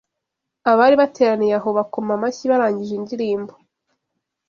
Abari bateraniye aho bakoma amashyi barangije indirimbo.